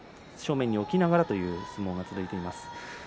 しっかり正面に置きながらという相撲が続いています。